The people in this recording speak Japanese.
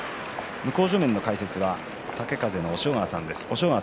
向正面の解説は豪風の押尾川さんです。